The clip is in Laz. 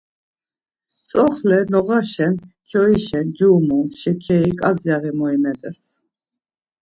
Tzoxle noğaşen kyoişa ncumu, şekeri, ǩazyaği moimet̆es.